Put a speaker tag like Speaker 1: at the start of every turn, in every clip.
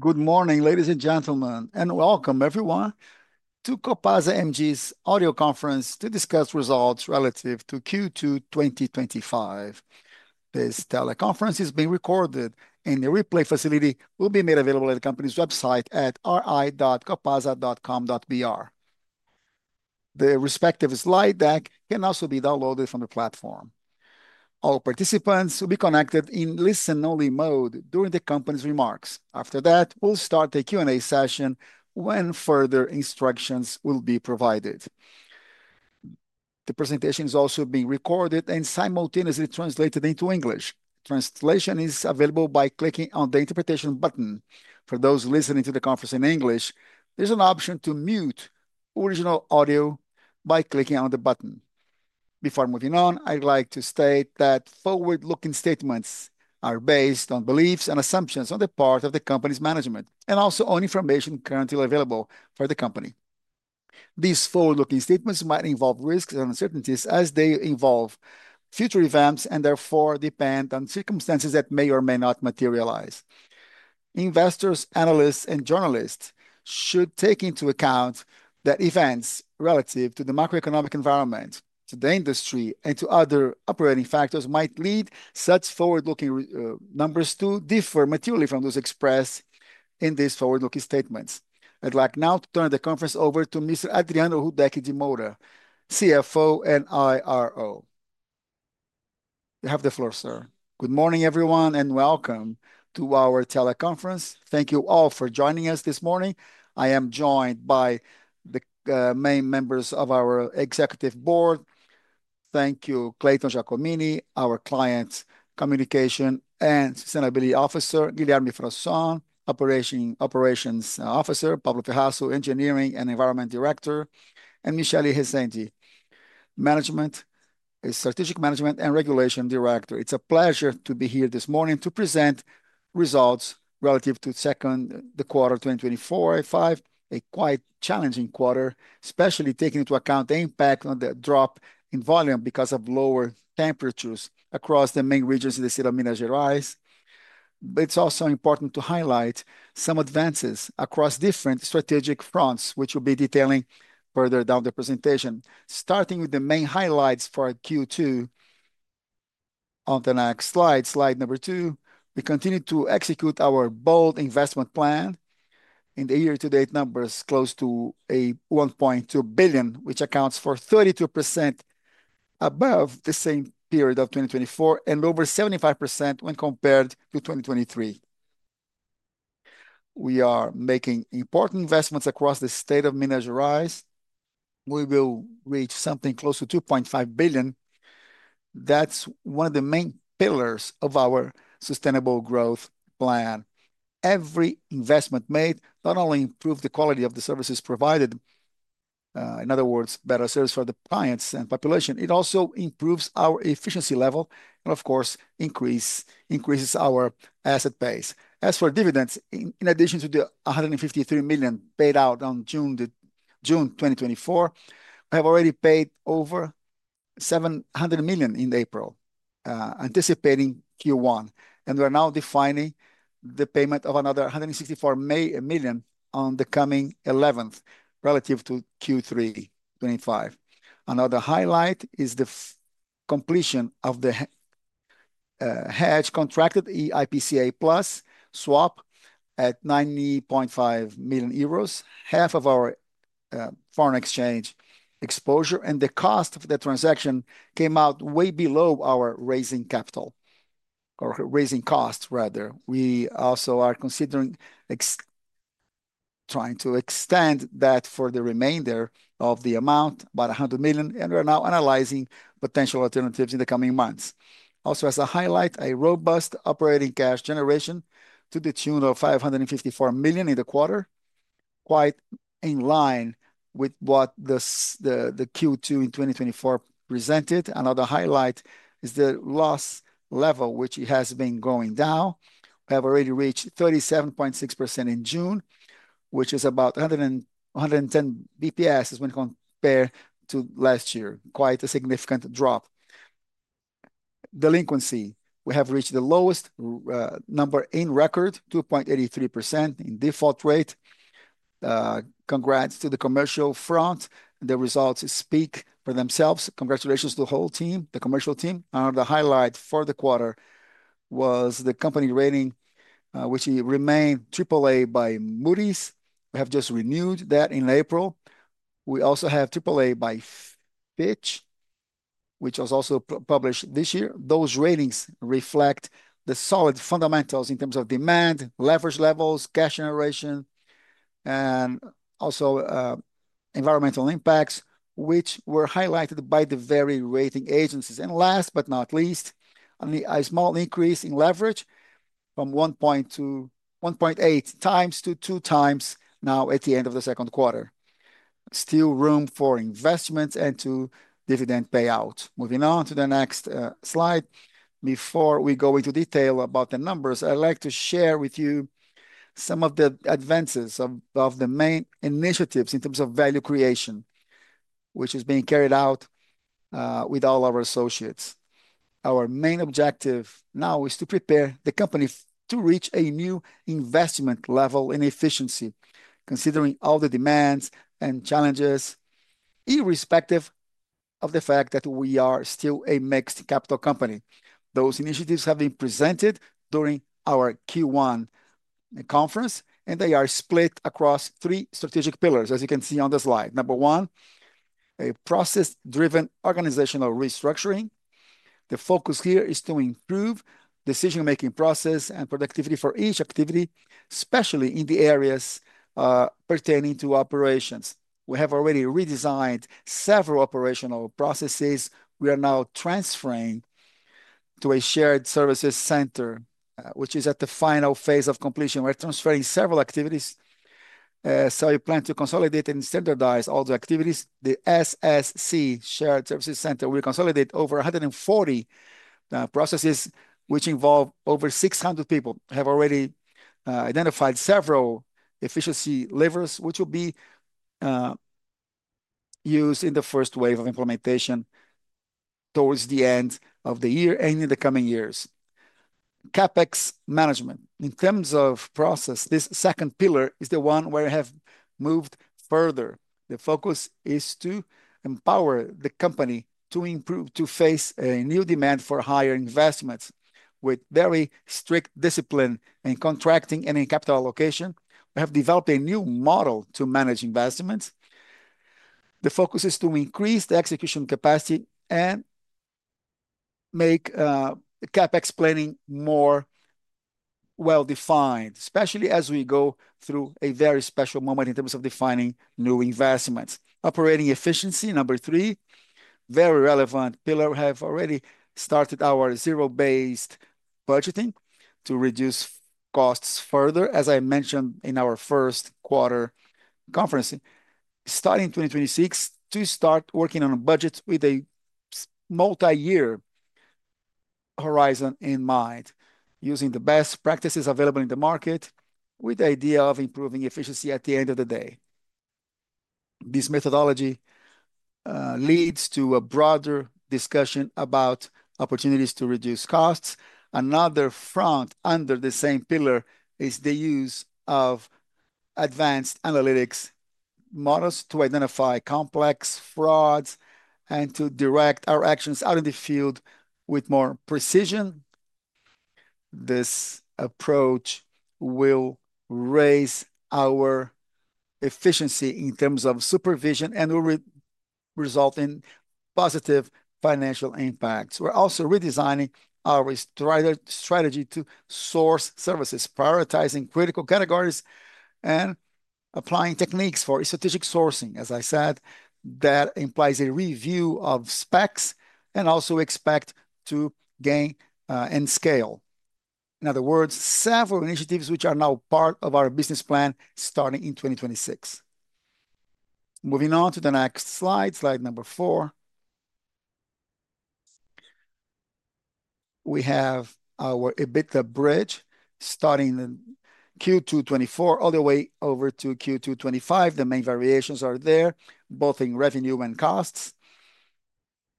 Speaker 1: Good morning, ladies and gentlemen, and welcome, everyone, to Copasa MG's audio conference to discuss results relative to Q2 2025. This teleconference is being recorded, and the replay facility will be made available at the company's website at ri.copasa.com.br. The respective slide deck can also be downloaded from the platform. All participants will be connected in listen-only mode during the company's remarks. After that, we'll start the Q&A session when further instructions will be provided. The presentation is also being recorded and simultaneously translated into English. Translation is available by clicking on the interpretation button. For those listening to the conference in English, there's an option to mute original audio by clicking on the button. Before moving on, I'd like to state that forward-looking statements are based on beliefs and assumptions on the part of the company's management and also on information currently available for the company. These forward-looking statements might involve risks and uncertainties as they involve future events and therefore depend on circumstances that may or may not materialize. Investors, analysts, and journalists should take into account that events relative to the macroeconomic environment, to the industry, and to other operating factors might lead such forward-looking numbers to differ materially from those expressed in these forward-looking statements. I'd like now to turn the conference over to Mr. Adriano Hideki de Moura, CFO and IRO. You have the floor, sir. Good morning, everyone, and welcome to our teleconference. Thank you all for joining us this morning. I am joined by the main members of our Executive Board. Thank you, Clayton Giacomini, our Client Communication and Sustainability Officer; Guilherme Frasson, Operations Officer; Pablo Ferrazzo, Engineering and Environment Director; and Michele Hesenti, Strategic Management and Regulation Director. It's a pleasure to be here this morning to present results relative to second quarter 2024, a quite challenging quarter, especially taking into account the impact on the drop in volume because of lower temperatures across the main regions of the state of Minas Gerais. It's also important to highlight some advances across different strategic fronts, which we'll be detailing further down the presentation. Starting with the main highlights for Q2, on the next slide, slide number two, we continue to execute our bold investment plan. In the year-to-date numbers, close to 1.2 billion, which accounts for 32% above the same period of 2024 and over 75% when compared to 2023. We are making important investments across the state of Minas Gerais. We will reach something close to 2.5 billion. That's one of the main pillars of our sustainable growth plan. Every investment made not only improves the quality of the services provided, in other words, better service for the clients and population, it also improves our efficiency level and, of course, increases our asset base. As for dividends, in addition to the 153 million paid out on June 2024, we have already paid over 700 million in April, anticipating Q1. We're now defining the payment of another 164 million on the coming 11th relative to Q3 2025. Another highlight is the completion of the hedge contracted IPCA+ swap at 90.5 million euros, half of our foreign exchange exposure, and the cost of the transaction came out way below our raising capital or raising costs, rather. We also are considering trying to extend that for the remainder of the amount, about 100 million, and we're now analyzing potential alternatives in the coming months. Also, as a highlight, a robust operating cash generation to the tune of 554 million in the quarter, quite in line with what the Q2 in 2024 presented. Another highlight is the loss level, which has been going down. We have already reached 37.6% in June, which is about 110 basis points when compared to last year, quite a significant drop. Delinquency, we have reached the lowest number on record, 2.83% in default rate. Congrats to the commercial front. The results speak for themselves. Congratulations to the whole team, the commercial team. Another highlight for the quarter was the company rating, which remained AAA by Moody’s. We have just renewed that in April. We also have AAA by Fitch, which was also published this year. Those ratings reflect the solid fundamentals in terms of demand, leverage levels, cash generation, and also environmental impacts, which were highlighted by the various rating agencies. Last but not least, a small increase in leverage from 1.8x to 2x now at the end of the second quarter. Still room for investments and to dividend payout. Moving on to the next slide, before we go into detail about the numbers, I'd like to share with you some of the advances of the main initiatives in terms of value creation, which is being carried out with all of our associates. Our main objective now is to prepare the company to reach a new investment level in efficiency, considering all the demands and challenges, irrespective of the fact that we are still a mixed-capital company. Those initiatives have been presented during our Q1 conference, and they are split across three strategic pillars, as you can see on the slide. Number one, a process-driven organizational restructuring. The focus here is to improve the decision-making process and productivity for each activity, especially in the areas pertaining to operations. We have already redesigned several operational processes. We are now transferring to a Shared Services Center, which is at the final phase of completion. We're transferring several activities. We plan to consolidate and standardize all the activities. The SSC will consolidate over 140 processes, which involve over 600 people. We have already identified several efficiency levers, which will be used in the first wave of implementation towards the end of the year and in the coming years. CapEx management. In terms of process, this second pillar is the one where we have moved further. The focus is to empower the company to improve to face a new demand for higher investments. With very strict discipline in contracting and in capital allocation, we have developed a new model to manage investments. The focus is to increase the execution capacity and make CapEx planning more well-defined, especially as we go through a very special moment in terms of defining new investments. Operating efficiency, number three, a very relevant pillar. We have already started our zero-based budgeting to reduce costs further, as I mentioned in our first quarter conferencing. Starting in 2026, to start working on a budget with a multi-year horizon in mind, using the best practices available in the market, with the idea of improving efficiency at the end of the day. This methodology leads to a broader discussion about opportunities to reduce costs. Another front under the same pillar is the use of advanced analytics models to identify complex frauds and to direct our actions out in the field with more precision. This approach will raise our efficiency in terms of supervision and will result in positive financial impacts. We're also redesigning our strategy to source services, prioritizing critical categories, and applying techniques for strategic sourcing. As I said, that implies a review of specs and also expect to gain and scale. In other words, several initiatives which are now part of our business plan starting in 2026. Moving on to the next slide, slide number four. We have our EBITDA bridge starting in Q2 2024 all the way over to Q2 2025. The main variations are there, both in revenue and costs.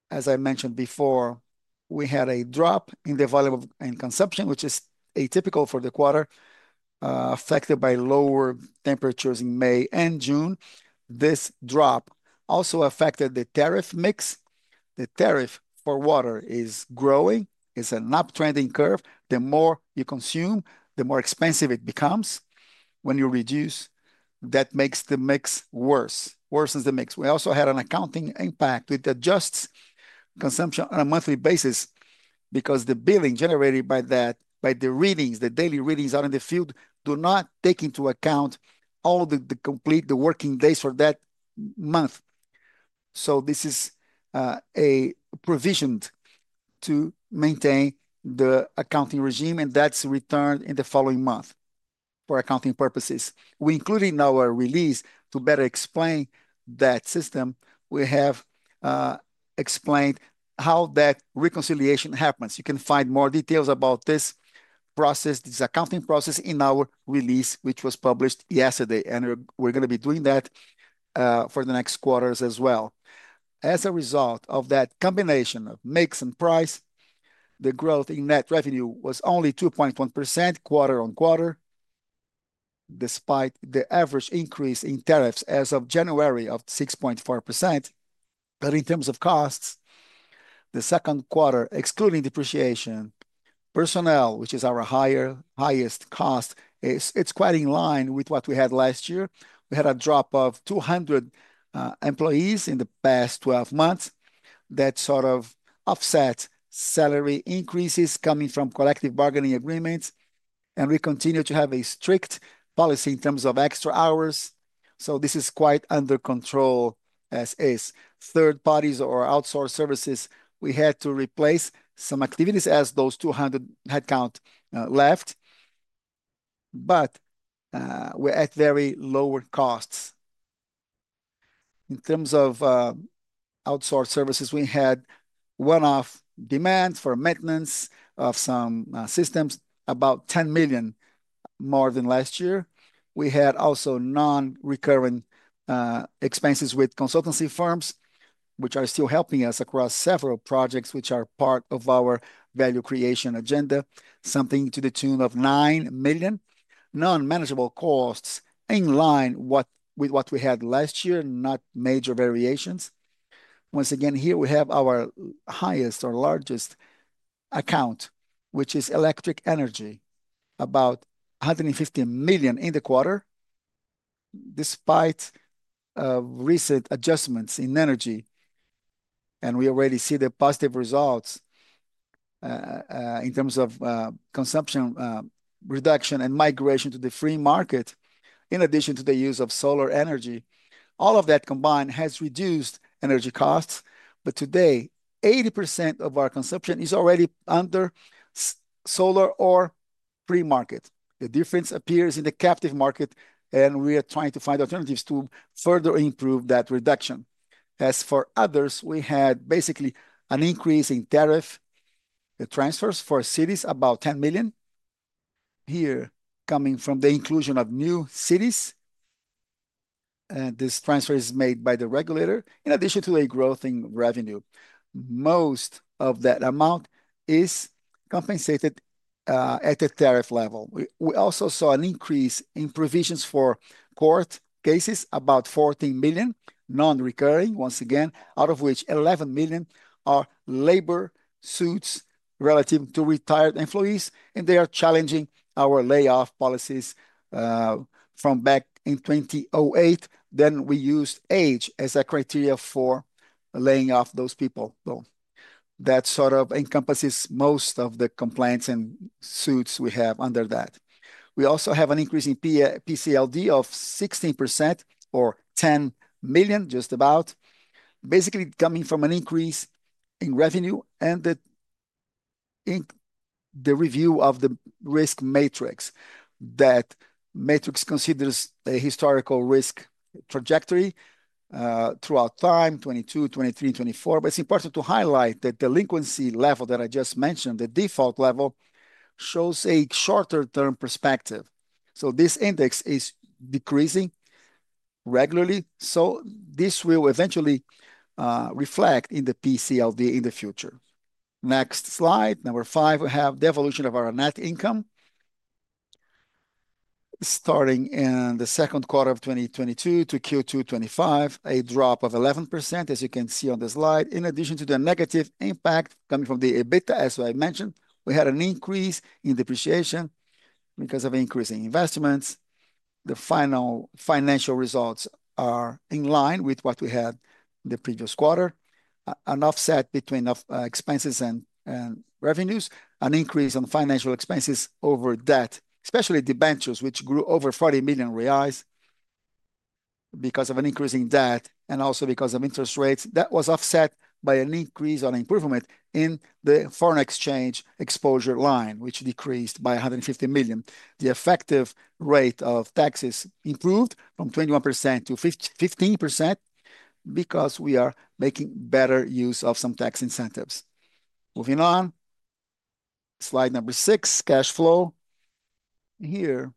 Speaker 1: As I mentioned before, we had a drop in the volume in consumption, which is atypical for the quarter, affected by lower temperatures in May and June. This drop also affected the tariff mix. The tariff for water is growing. It's an uptrending curve. The more you consume, the more expensive it becomes. When you reduce, that makes the mix worse, worsens the mix. We also had an accounting impact. It adjusts consumption on a monthly basis because the billing generated by the readings, the daily readings out in the field, do not take into account all the complete working days for that month. This is provisioned to maintain the accounting regime, and that's returned in the following month for accounting purposes. We included in our release to better explain that system. We have explained how that reconciliation happens. You can find more details about this process, this accounting process, in our release, which was published yesterday. We're going to be doing that for the next quarters as well. As a result of that combination of mix and price, the growth in net revenue was only 2.1% quarter on quarter, despite the average increase in tariffs as of January of 6.4%. In terms of costs, the second quarter, excluding depreciation, personnel, which is our highest cost, it's quite in line with what we had last year. We had a drop of 200 employees in the past 12 months. That sort of offsets salary increases coming from collective bargaining agreements. We continue to have a strict policy in terms of extra hours. This is quite under control as is. Third parties or outsourced services, we had to replace some activities as those 200 headcount left. We're at very lower costs. In terms of outsourced services, we had one-off demands for maintenance of some systems, about 10 million more than last year. We had also non-recurring expenses with consultancy firms, which are still helping us across several projects which are part of our value creation agenda, something to the tune of 9 million. Non-manageable costs in line with what we had last year, not major variations. Once again, here we have our highest or largest account, which is electric energy, about 150 million in the quarter, despite recent adjustments in energy. We already see the positive results in terms of consumption reduction and migration to the free market, in addition to the use of solar energy. All of that combined has reduced energy costs. Today, 80% of our consumption is already under solar or free market. The difference appears in the captive market, and we are trying to find alternatives to further improve that reduction. As for others, we had basically an increase in tariff transfers for cities, about 10 million, coming from the inclusion of new cities, and this transfer is made by the regulator, in addition to a growth in revenue. Most of that amount is compensated at the tariff level. We also saw an increase in provisions for court cases, about 14 million non-recurring, out of which 11 million are labor suits relative to retired employees, and they are challenging our layoff policies from back in 2008. We used age as a criteria for laying off those people, though. That sort of encompasses most of the complaints and suits we have under that. We also have an increase in PCLD of 16% or 10 million, just about, basically coming from an increase in revenue and the review of the risk matrix. That matrix considers a historical risk trajectory throughout time, 2022, 2023, 2024. It is important to highlight that the delinquency level that I just mentioned, the default level, shows a shorter-term perspective. This index is decreasing regularly. This will eventually reflect in the PCLD in the future. Next slide, number five, we have devolution of our net income. Starting in the second quarter of 2022 to Q2 2025, a drop of 11%, as you can see on the slide, in addition to the negative impact coming from the EBITDA. As I mentioned, we had an increase in depreciation because of increasing investments. The final financial results are in line with what we had the previous quarter. An offset between expenses and revenues, an increase on financial expenses over debt, especially debentures, which grew over 40 million reais because of an increase in debt and also because of interest rates. That was offset by an increase on improvement in the foreign exchange exposure line, which decreased by 150 million. The effective rate of taxes improved from 21% to 15% because we are making better use of some tax incentives. Moving on, slide number six, cash flow. Here,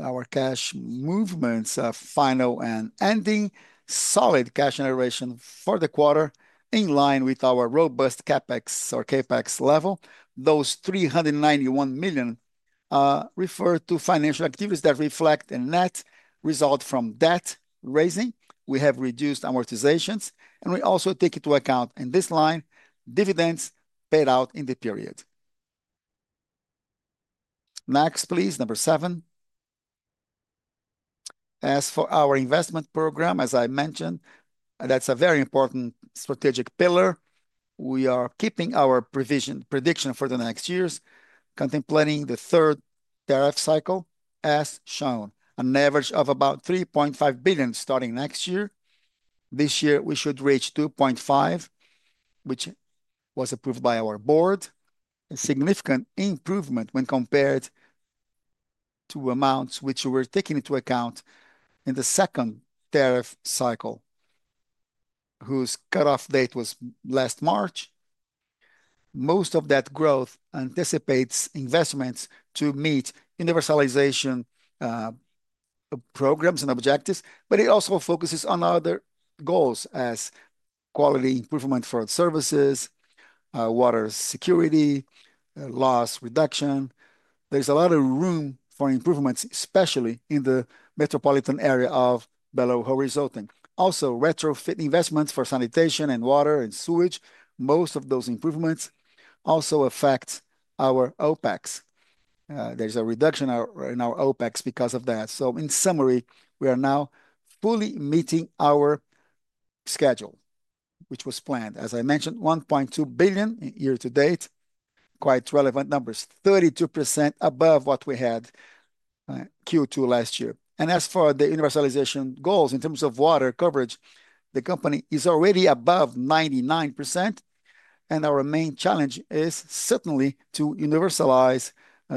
Speaker 1: our cash movements are final and ending. Solid cash generation for the quarter in line with our robust CapEx level. Those 391 million refer to financial activities that reflect a net result from debt raising. We have reduced amortizations, and we also take into account in this line dividends paid out in the period. Next, please, number seven. As for our investment program, as I mentioned, that's a very important strategic pillar. We are keeping our prediction for the next years, contemplating the third tariff cycle, as shown. An average of about 3.5 billion starting next year. This year, we should reach 2.5 billion, which was approved by our board. A significant improvement when compared to amounts which were taken into account in the second tariff cycle, whose cutoff date was last March. Most of that growth anticipates investments to meet universalization programs and objectives, but it also focuses on other goals as quality improvement for services, water security, loss reduction. There is a lot of room for improvements, especially in the metropolitan area of Belo Horizonte. Also, retrofit investments for sanitation and water and sewage. Most of those improvements also affect our OpEx. There is a reduction in our OpEx because of that. In summary, we are now fully meeting our schedule, which was planned. As I mentioned, 1.2 billion year to date, quite relevant numbers, 32% above what we had Q2 last year. As for the universalization goals in terms of water coverage, the company is already above 99%, and our main challenge is certainly to universalize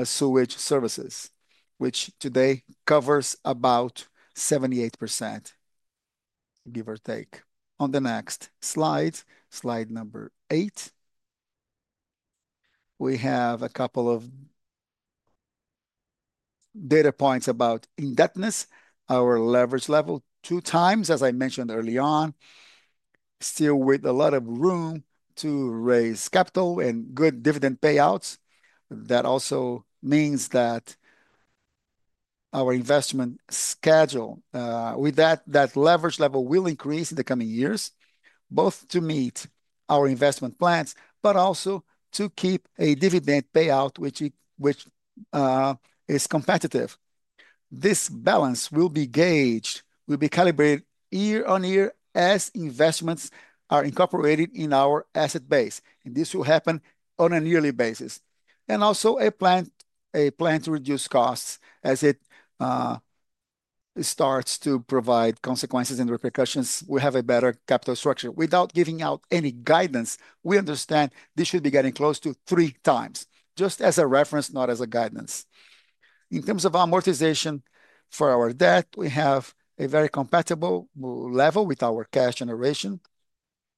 Speaker 1: sewage services, which today covers about 78%, give or take. On the next slide, slide number eight, we have a couple of data points about indebtedness. Our leverage level, 2x, as I mentioned early on, still with a lot of room to raise capital and good dividend payouts. That also means that our investment schedule, with that leverage level, will increase in the coming years, both to meet our investment plans, but also to keep a dividend payout, which is competitive. This balance will be gauged, will be calibrated year-on-year as investments are incorporated in our asset base. This will happen on a yearly basis. Also a plan to reduce costs as it starts to provide consequences and repercussions. We have a better capital structure. Without giving out any guidance, we understand this should be getting close to 3x, just as a reference, not as a guidance. In terms of amortization for our debt, we have a very compatible level with our cash generation.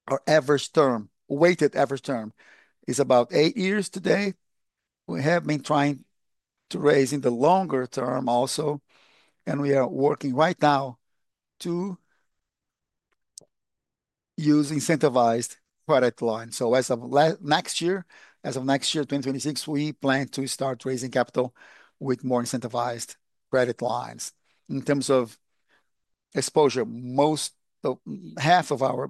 Speaker 1: Our average term, weighted average term, is about eight years today. We have been trying to raise in the longer term also, and we are working right now to use incentivized credit lines. As of next year, 2026, we plan to start raising capital with more incentivized credit lines. In terms of exposure, half of our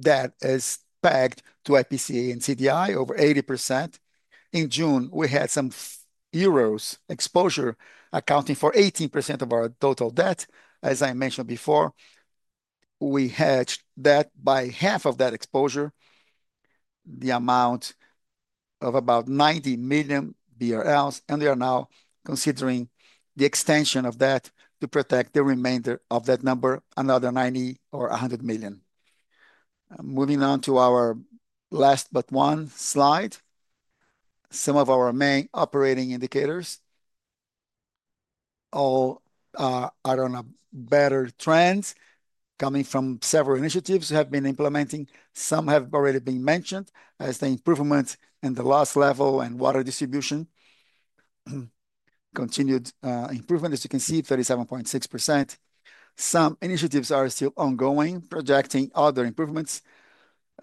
Speaker 1: debt is pegged to IPCA and CDI, over 80%. In June, we had some euros exposure accounting for 18% of our total debt. As I mentioned before, we had that by half of that exposure, the amount of about 90 million BRL, and we are now considering the extension of that to protect the remainder of that number, another 90 million or 100 million. Moving on to our last but one slide, some of our main operating indicators all are on a better trend, coming from several initiatives we have been implementing. Some have already been mentioned, as the improvements in the loss level and water distribution. Continued improvement, as you can see, 37.6%. Some initiatives are still ongoing, projecting other improvements,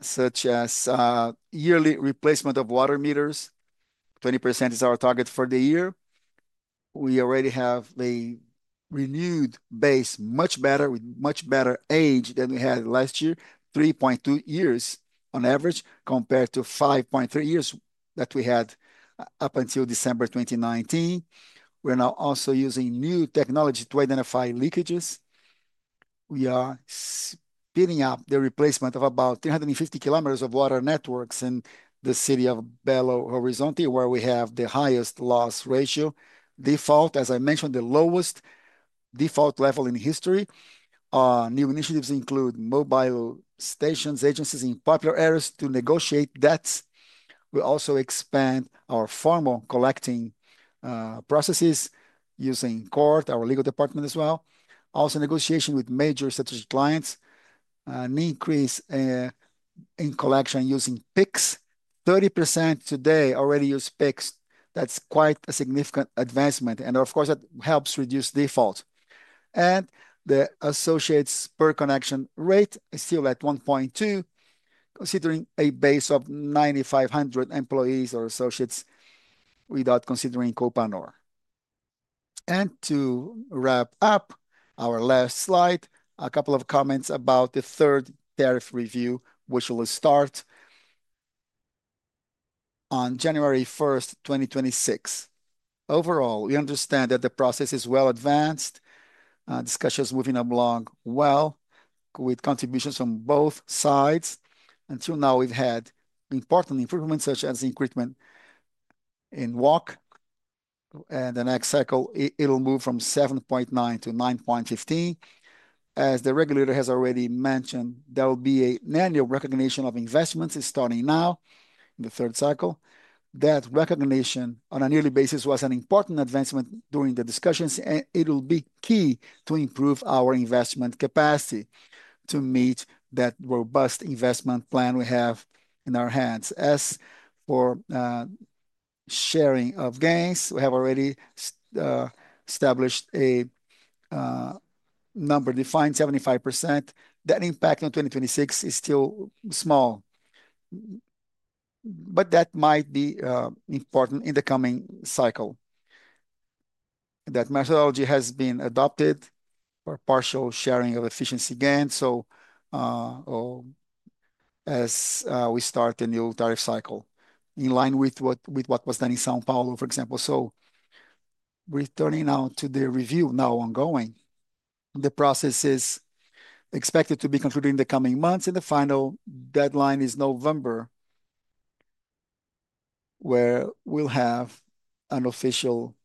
Speaker 1: such as yearly replacement of water meters. 20% is our target for the year. We already have the renewed base much better, with much better age than we had last year, 3.2 years on average, compared to 5.3 years that we had up until December 2019. We are now also using new technology to identify leakages. We are speeding up the replacement of about 350 km of water networks in the city of Belo Horizonte, where we have the highest loss ratio. Default, as I mentioned, the lowest default level in history. New initiatives include mobile stations, agencies in popular areas to negotiate debts. We also expand our formal collecting processes using court, our legal department as well. Also, negotiation with major clients, an increase in collection using PIX. 30% today already use PIX. That is quite a significant advancement, and of course, that helps reduce default. The associates' per-connection rate is still at 1.2, considering a base of 9,500 employees or associates without considering co-planner. To wrap up our last slide, a couple of comments about the third tariff review, which will start on January 1st 2026. Overall, we understand that the process is well advanced. Discussions moving along well with contributions from both sides. Until now, we've had important improvements such as the increment in WOC. In the next cycle, it'll move from 7.9% to 9.15%. As the regulator has already mentioned, there will be an annual recognition of investments starting now in the third cycle. That recognition on a yearly basis was an important advancement during the discussions, and it'll be key to improve our investment capacity to meet that robust investment plan we have in our hands. As for sharing of gains, we have already established a number defined, 75%. That impact on 2026 is still small, but that might be important in the coming cycle. That methodology has been adopted for partial sharing of efficiency gains, as we start a new tariff cycle in line with what was done in São Paulo, for example. Returning now to the review now ongoing, the process is expected to be continued in the coming months, and the final deadline is November, where we'll have an official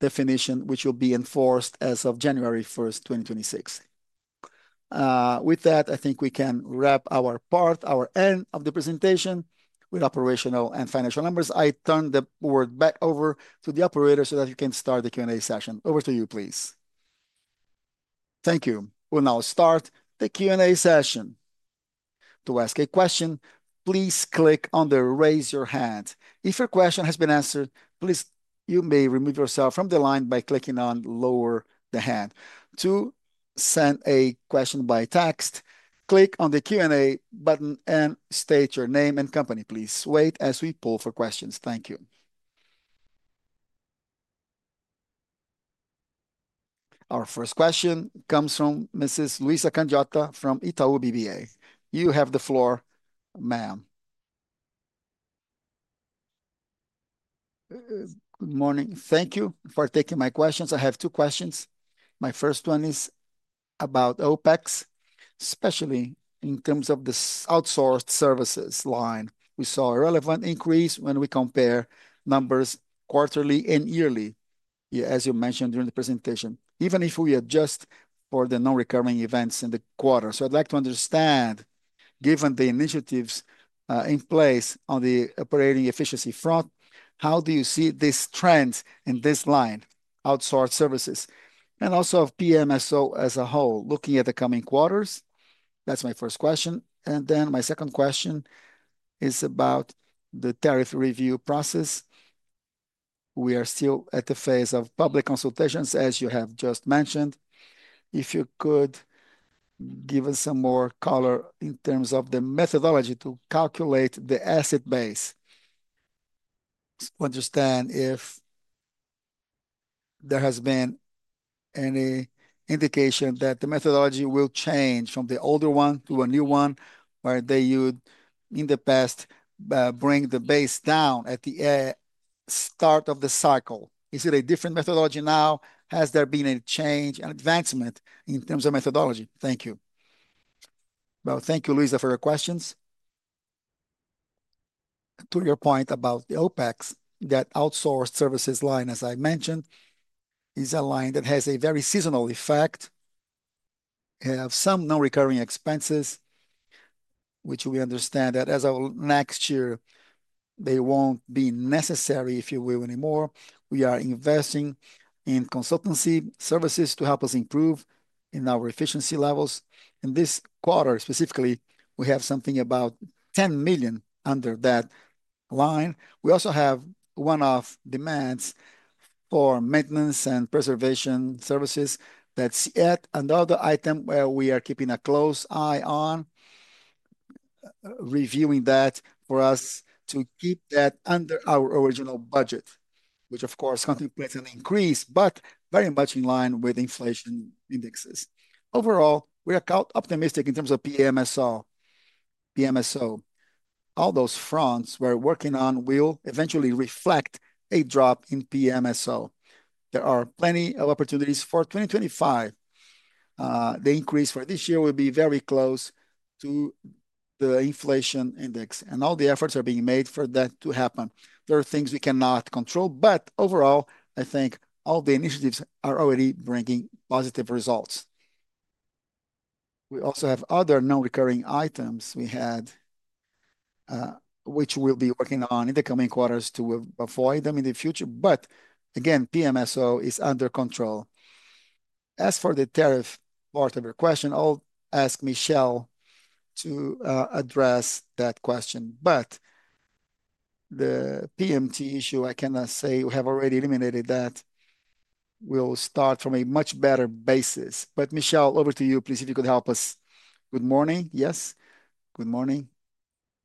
Speaker 1: definition, which will be enforced as of January 1st 2026. With that, I think we can wrap our part, our end of the presentation with operational and financial numbers. I turn the word back over to the operator so that he can start the Q&A session. Over to you, please. Thank you. We'll now start the Q&A session. To ask a question, please click on the raise your hand. If your question has been answered, please, you may remove yourself from the line by clicking on lower the hand. To send a question by text, click on the Q&A button and state your name and company, please. Wait as we poll for questions. Thank you. Our first question comes from Mrs. Luisa Canjota from Itaú BBA. You have the floor, ma'am. Good morning. Thank you for taking my questions. I have two questions. My first one is about OpEx, especially in terms of the outsourced services line. We saw a relevant increase when we compare numbers quarterly and yearly, as you mentioned during the presentation, even if we adjust for the non-recurring events in the quarter. I'd like to understand, given the initiatives in place on the operating efficiency front, how do you see these trends in this line, outsourced services, and also of PMSO as a whole, looking at the coming quarters? That's my first question. My second question is about the tariff review process. We are still at the phase of public consultations, as you have just mentioned. If you could give us some more color in terms of the methodology to calculate the asset base. Understand if there has been any indication that the methodology will change from the older one to a new one where they would, in the past, bring the base down at the start of the cycle. Is it a different methodology now? Has there been a change and advancement in terms of methodology? Thank you. Thank you, Luisa, for your questions. To your point about the OpEx, that outsourced services line, as I mentioned, is a line that has a very seasonal effect. We have some non-recurring expenses, which we understand that as of next year, they won't be necessary, if you will, anymore. We are investing in consultancy services to help us improve in our efficiency levels. In this quarter, specifically, we have something about 10 million under that line. We also have one-off demands for maintenance and preservation services. That's yet another item where we are keeping a close eye on reviewing that for us to keep that under our original budget, which, of course, contemplates an increase, but very much in line with inflation indexes. Overall, we are optimistic in terms of PMSO. All those fronts we're working on will eventually reflect a drop in PMSO. There are plenty of opportunities for 2025. The increase for this year will be very close to the inflation index, and all the efforts are being made for that to happen. There are things we cannot control, but overall, I think all the initiatives are already bringing positive results. We also have other non-recurring items we had, which we'll be working on in the coming quarters to avoid them in the future. PMSO is under control. As for the tariff part of your question, I'll ask Michele to address that question. The PMT issue, I cannot say we have already eliminated that. We'll start from a much better basis. Michele, over to you, please, if you could help us. Good morning. Yes. Good morning,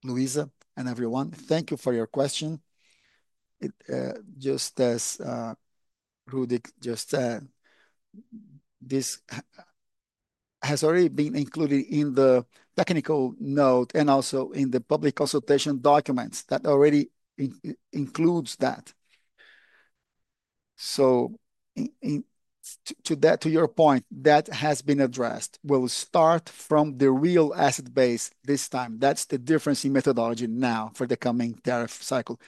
Speaker 1: Luisa and everyone. Thank you for your question. Just as Rúdig, this has already been included in the technical note and also in the public consultation documents that already include that. To your point, that has been addressed. We'll start from the real asset base this time. That's the difference in methodology now for the coming tariff cycle.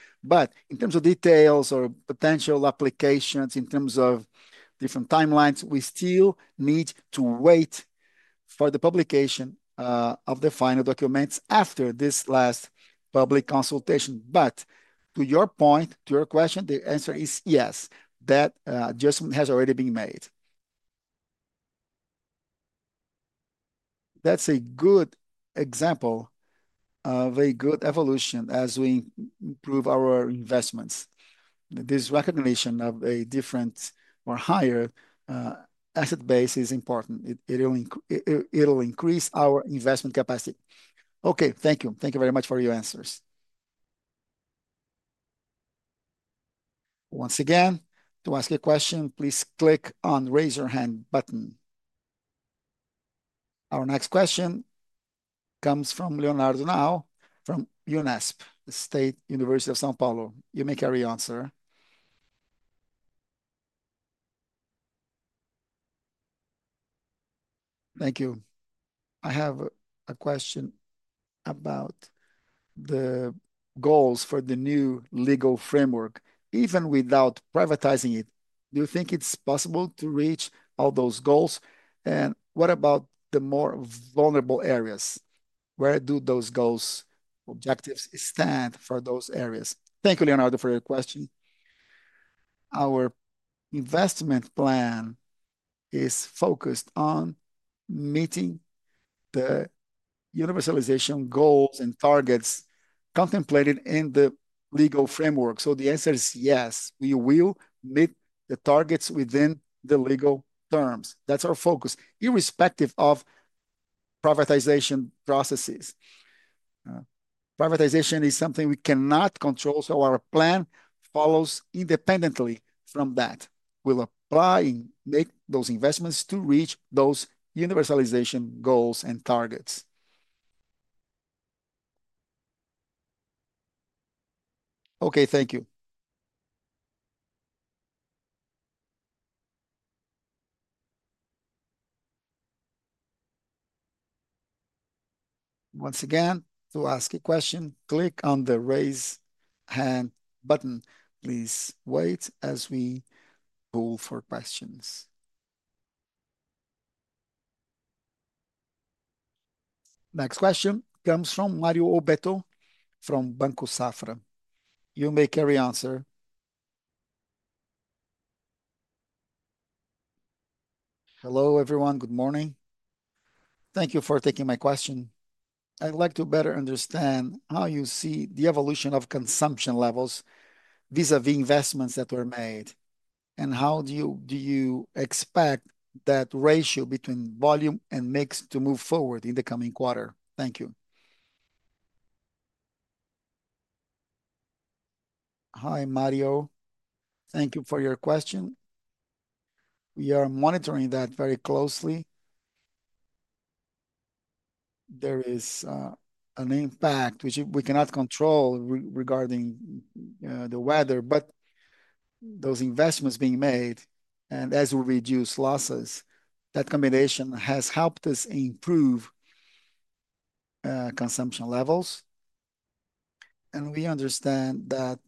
Speaker 1: In terms of details or potential applications, in terms of different timelines, we still need to wait for the publication of the final documents after this last public consultation. To your point, to your question, the answer is yes. That adjustment has already been made. That's a good example of a good evolution as we improve our investments. This recognition of a different or higher asset base is important. It'll increase our investment capacity. Thank you. Thank you very much for your answers. Once again, to ask a question, please click on the raise your hand button. Our next question comes from Leonardo Nau from UNESP, the State University of São Paulo. You may carry on, sir. Thank you. I have a question about the goals for the new legal framework. Even without privatizing it, do you think it's possible to reach all those goals? What about the more vulnerable areas? Where do those goals, objectives stand for those areas? Thank you, Leonardo, for your question. Our investment plan is focused on meeting the universalization goals and targets contemplated in the legal framework. The answer is yes. We will meet the targets within the legal terms. That's our focus, irrespective of privatization processes. Privatization is something we cannot control, so our plan follows independently from that. We'll apply and make those investments to reach those universalization goals and targets. Thank you. Once again, to ask a question, click on the raise hand button. Please wait as we poll for questions. Next question comes from Mario Obeto from Banco Safra. You may carry on, sir. Hello, everyone. Good morning. Thank you for taking my question. I'd like to better understand how you see the evolution of consumption levels vis-à-vis investments that were made, and how do you expect that ratio between volume and mix to move forward in the coming quarter? Thank you. Hi, Mario. Thank you for your question. We are monitoring that very closely. There is an impact which we cannot control regarding the weather, but those investments being made and as we reduce losses, that combination has helped us improve consumption levels. We understand that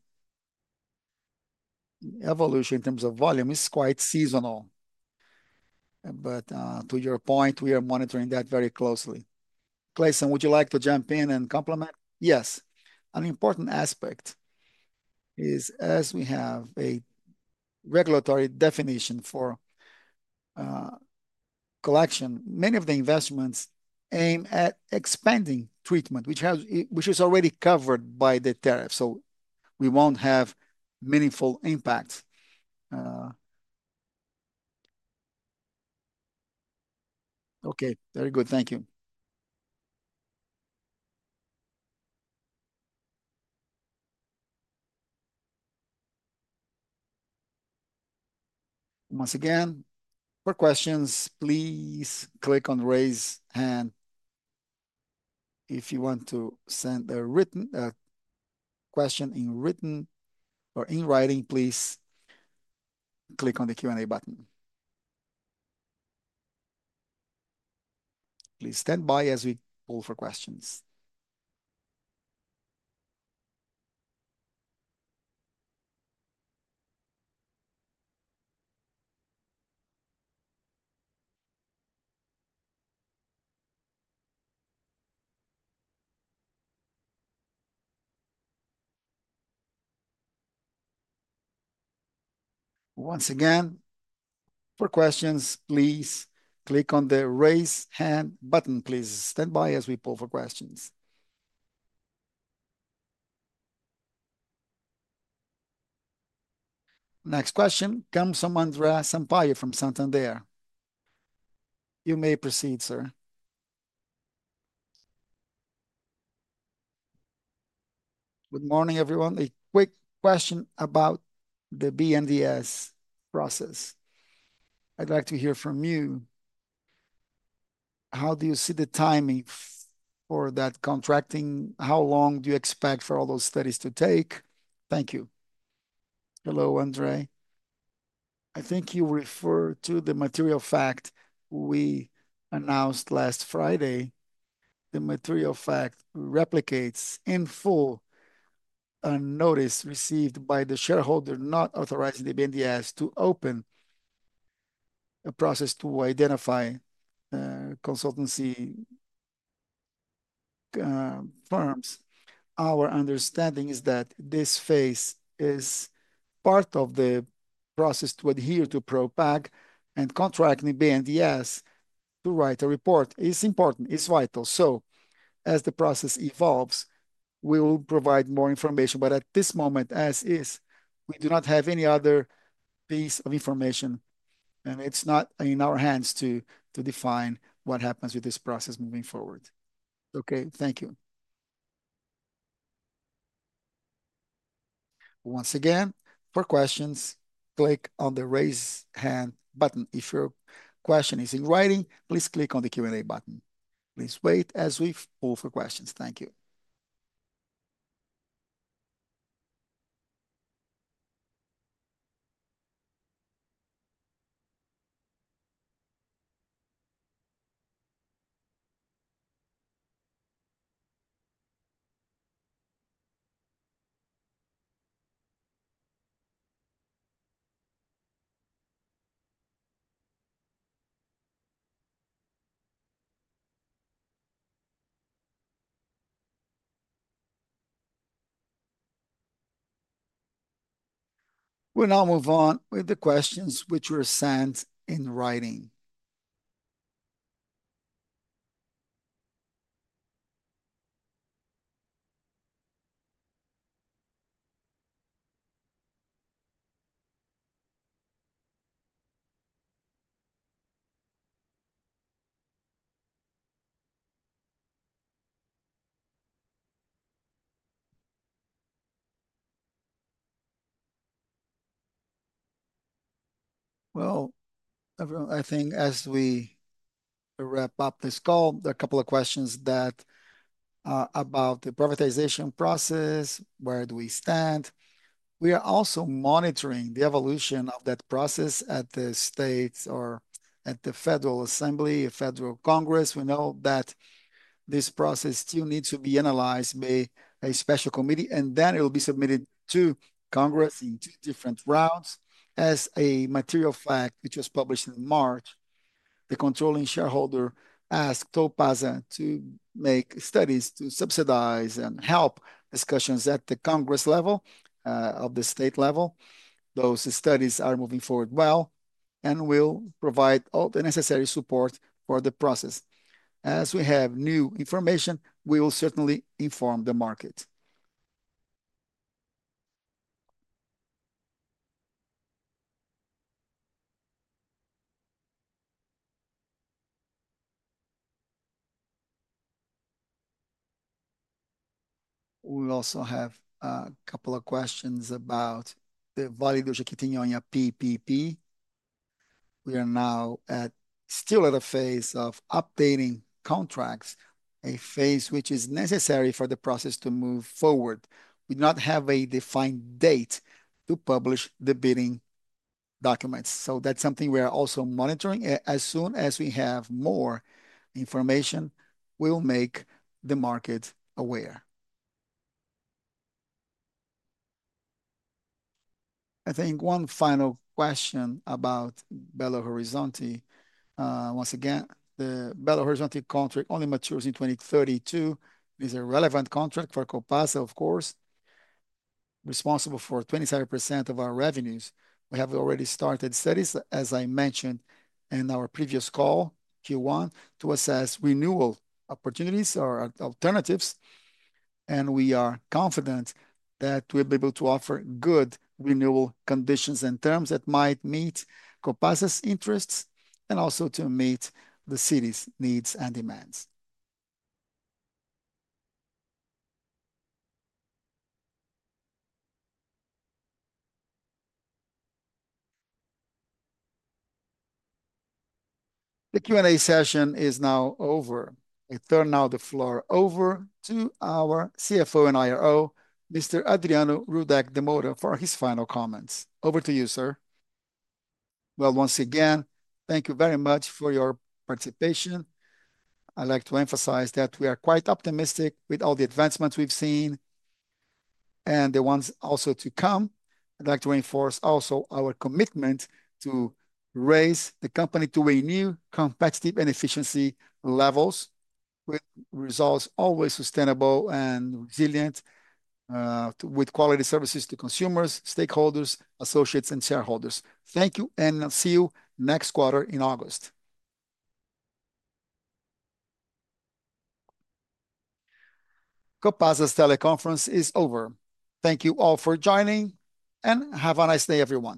Speaker 1: the evolution in terms of volume is quite seasonal. To your point, we are monitoring that very closely. Clayton, would you like to jump in and complement? Yes. An important aspect is as we have a regulatory definition for collection, many of the investments aim at expanding treatment, which is already covered by the tariff, so we won't have meaningful impacts. Okay. Very good. Thank you. Once again, for questions, please click on raise hand. If you want to send a written question in writing, please click on the Q&A button. Please stand by as we poll for questions. Once again, for questions, please click on the raise hand button. Please stand by as we poll for questions. Next question comes from Andrea Sampaio from Santander. You may proceed, sir. Good morning, everyone. A quick question about the BNDS process. I'd like to hear from you. How do you see the timing for that contracting? How long do you expect for all those studies to take? Thank you. Hello, Andrei. I think you referred to the material fact we announced last Friday. The material fact replicates in full a notice received by the shareholder not authorizing the BNDS to open a process to identify consultancy firms. Our understanding is that this phase is part of the process to adhere to PROPAG and contracting the BNDS to write a report. It's important. It's vital. As the process evolves, we will provide more information. At this moment, as is, we do not have any other piece of information, and it's not in our hands to define what happens with this process moving forward. Okay. Thank you. Once again, for questions, click on the raise hand button. If your question is in writing, please click on the Q&A button. Please wait as we poll for questions. Thank you. We'll now move on with the questions which were sent in writing. Everyone, I think as we wrap up this call, there are a couple of questions about the privatization process, where do we stand? We are also monitoring the evolution of that process at the states or at the federal assembly, a federal Congress. We know that this process still needs to be analyzed by a special committee, and then it will be submitted to Congress in two different rounds. As a material fact which was published in March, the controlling shareholder asked Copasa to make studies to subsidize and help discussions at the Congress level, at the state level. Those studies are moving forward well and will provide all the necessary support for the process. As we have new information, we will certainly inform the market. We also have a couple of questions about the Vale do Jequitinhonha PPP. We are now still at a phase of updating contracts, a phase which is necessary for the process to move forward. We do not have a defined date to publish the bidding documents. That's something we are also monitoring. As soon as we have more information, we will make the market aware. I think one final question about Belo Horizonte. Once again, the Belo Horizonte contract only matures in 2032. It is a relevant contract for Copasa, of course, responsible for 27% of our revenues. We have already started studies, as I mentioned in our previous call, Q1, to assess renewal opportunities or alternatives. We are confident that we'll be able to offer good renewal conditions and terms that might meet Copasa's interests and also to meet the city's needs and demands. The Q&A session is now over. I turn now the floor over to our CFO and IRO, Mr. Adriano Hideki de Moura, for his final comments. Over to you, sir. Once again, thank you very much for your participation. I'd like to emphasize that we are quite optimistic with all the advancements we've seen and the ones also to come. I'd like to reinforce also our commitment to raise the company to new competitive and efficiency levels, with results always sustainable and resilient, with quality services to consumers, stakeholders, associates, and shareholders. Thank you and see you next quarter in August. Copasa's teleconference is over. Thank you all for joining, and have a nice day, everyone.